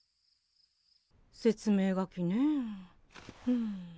説明書きねえうん。